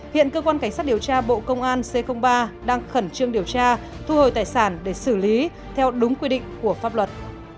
hiện cơ quan cảnh sát điều tra bộ công an c ba đang khẩn trương điều tra thu hồi tài sản để xử lý theo đúng quy định của pháp luật